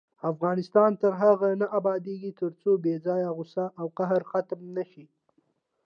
افغانستان تر هغو نه ابادیږي، ترڅو بې ځایه غوسه او قهر ختم نشي.